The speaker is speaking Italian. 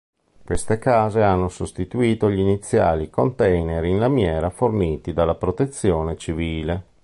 Queste case hanno sostituito gli iniziali container in lamiera forniti dalla Protezione Civile.